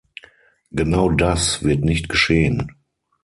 Genau das wird nicht geschehen.